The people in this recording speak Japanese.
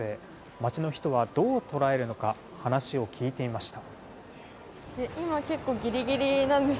街の人はどう捉えるのか話を聞いてみました。